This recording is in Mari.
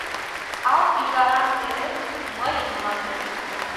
Ал ӱжаран эрет — Мыйын мландем.